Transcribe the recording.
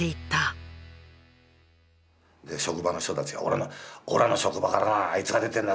職場の人たちが「おらの職場からあいつが出てんだぞ」